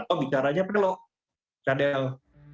atau bicaranya peluk cadel